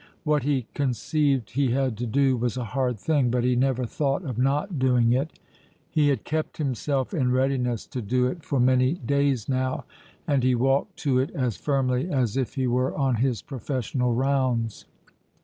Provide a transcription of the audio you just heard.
What he conceived he had to do was a hard thing, but he never thought of not doing it. He had kept himself in readiness to do it for many days now, and he walked to it as firmly as if he were on his professional rounds.